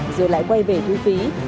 rồi lại quay về thu phí